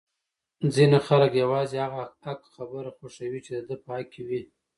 ځینی خلک یوازی هغه حق خبره خوښوي چې د ده په حق کي وی!